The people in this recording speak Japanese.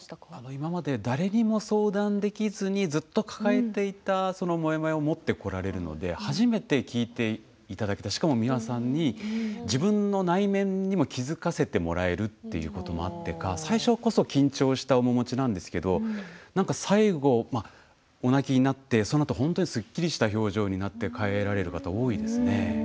今まで誰にも相談できずにずっと抱えていたモヤモヤを持ってこられるので初めて聞いていただけたしかも美輪さんに自分の内面にも気づかせてもらえるということもあってか最初こそ緊張した面持ちなんですけど最後お泣きになって、そのあと本当にすっきりした表情になって帰られる方多いですね。